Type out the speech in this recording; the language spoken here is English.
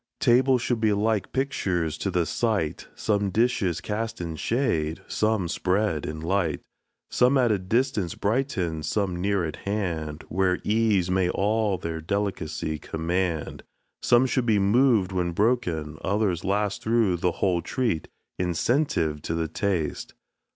Tables should be like pictures to the sight, Some dishes cast in shade, some spread in light; Some at a distance brighten, some near hand, Where ease may all their delicace command; Some should be moved when broken, others last Through the whole treat, incentive to the taste.